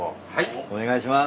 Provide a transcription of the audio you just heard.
お願いします。